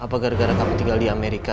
apa gara gara kamu tinggal di amerika